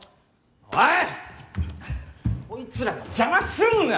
おい‼こいつらの邪魔すんな！